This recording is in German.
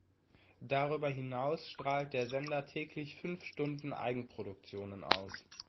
Darüber hinaus strahlt der Sender täglich fünf Stunden Eigenproduktionen aus.